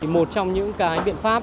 một trong những cái biện pháp